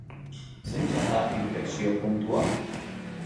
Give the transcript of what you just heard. Zein izan da inflexio puntua?